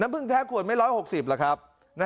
น้ำพึ่งแท้ขวดไม่๑๖๐บาทเหรอครับ